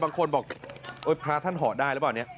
บางคนบอกพระท่านห่อได้หรือเปล่าเนี่ย